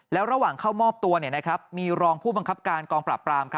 แล้วระหว่างเข้ามอบตัวมีรองผู้บังคับการกองปราบปราม